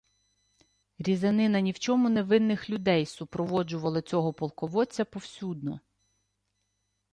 Різанина ні в чому не винних людей супроводжувала цього «полководця» повсюдно